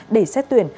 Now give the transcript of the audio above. để xét tuyển